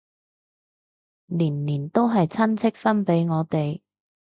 年年都係親戚分俾我哋